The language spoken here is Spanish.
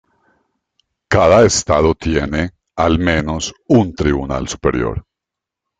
Cada Estado tiene, al menos, un Tribunal Superior.